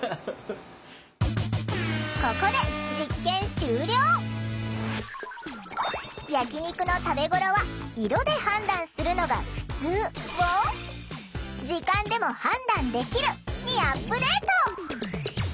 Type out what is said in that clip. ここで「焼き肉の食べごろは色で判断するのがふつう」を「時間でも判断できる」にアップデート！